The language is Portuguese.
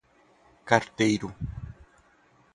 carteiro